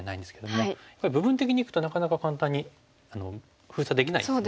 部分的にいくとなかなか簡単に封鎖できないですよね。